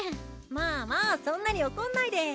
まあまあそんなに怒んないで。